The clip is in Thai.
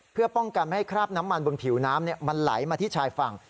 เพื่อป้องกันไม่ให้คราบน้ำมันบนผิวน้ำมันไหลมาที่ชายฝั่ง